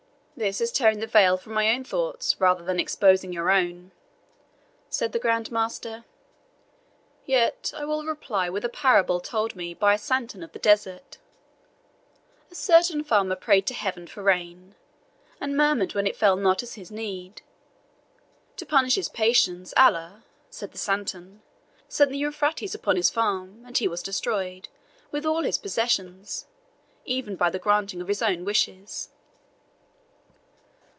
"This is tearing the veil from my thoughts rather than exposing your own," said the Grand Master; "yet I will reply with a parable told to me by a santon of the desert. 'A certain farmer prayed to Heaven for rain, and murmured when it fell not at his need. To punish his impatience, Allah,' said the santon, 'sent the Euphrates upon his farm, and he was destroyed, with all his possessions, even by the granting of his own wishes.'"